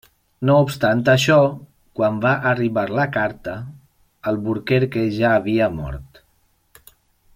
No obstant això, quan va arribar la carta, Albuquerque ja havia mort.